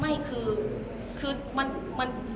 ไม่คือคือมันมัน